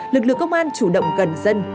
lực lượng công an chủ động gần dân